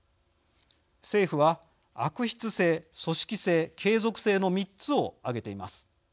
政府は悪質性、組織性、継続性の３つを挙げています。